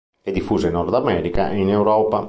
È diffusa in Nord America e in Europa.